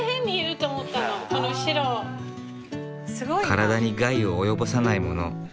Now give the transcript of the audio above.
体に害を及ぼさないもの。